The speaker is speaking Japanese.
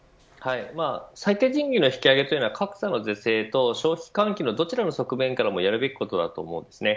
最低賃金の引き上げは格差の是正と消費喚起のどちらの側面からもやるべきことです。